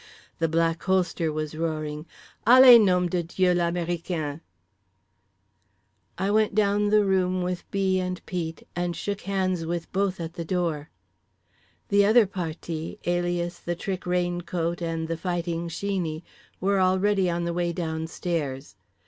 —The Black Holster was roaring: "Allez, nom de Dieu, l'américain!" I went down the room with B. and Pete, and shook hands with both at the door. The other partis, alias The Trick Raincoat and The Fighting Sheeney, were already on the way downstairs.